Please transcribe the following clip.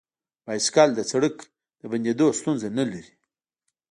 بایسکل د سړک د بندیدو ستونزه نه لري.